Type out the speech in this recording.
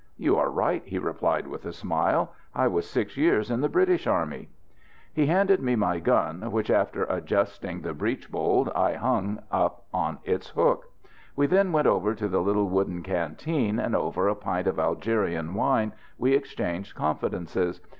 "You are right," he replied with a smile; "I was six years in the British army." He handed me my gun, which, after adjusting the breech bolt, I hung up on its hook. We then went over to the little wooden canteen, and over a pint of Algerian wine we exchanged confidences.